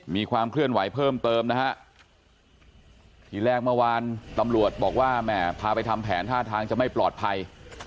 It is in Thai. มีความเคลื่อนไหวเพิ่มเติมนะฮะทีแรกเมื่อวานตำรวจบอกว่าแม่พาไปทำแผนท่าทางจะไม่ปลอดภัย